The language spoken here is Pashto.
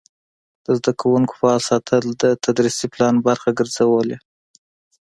د زده کوونکو فعال ساتل د تدریسي پلان برخه ګرځېدلې.